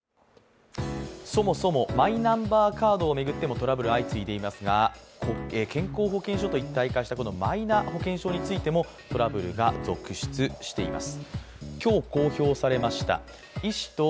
そもそもマイナンバーカードを巡ってもトラブルが相次いでいますが、健康保険証と一体化したマイナ保険証についてもトラブルが続出しています。